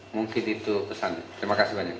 mungkin itu pesan terima kasih banyak